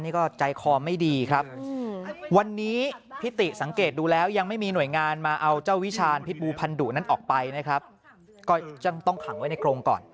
นี่ก็ใจคอไม่ดีครับวันนี้พิติสังเกตดูแล้วยังไม่มีหน่วยงานมาเอาเจ้าวิชาณพิษบูพันธุนั้นออกไปนะครับก็ต้องขังไว้ในกรงก่อน